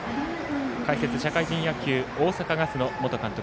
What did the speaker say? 解説、社会人野球の大阪ガスの元監督